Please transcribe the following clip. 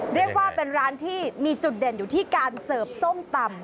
เรียกว่าเป็นร้านที่มีจุดเด่นอยู่ที่การเสิร์ฟส้มตำ